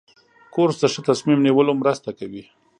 کورس د ښه تصمیم نیولو مرسته کوي.